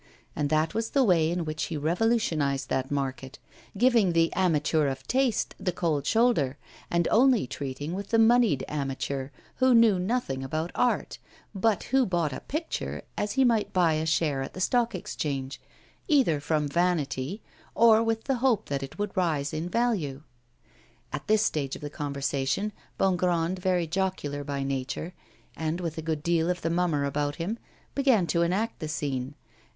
And that was the way in which he revolutionised that market, giving the amateur of taste the cold shoulder, and only treating with the moneyed amateur, who knew nothing about art, but who bought a picture as he might buy a share at the Stock Exchange, either from vanity or with the hope that it would rise in value. At this stage of the conversation Bongrand, very jocular by nature, and with a good deal of the mummer about him, began to enact the scene.